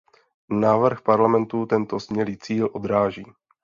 Návrh Parlamentu tento smělý cíl odráží.